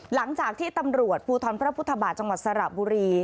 หลังจากที่ตำรวจภูทรพระพุทธบาทจังหวัดสระบุรี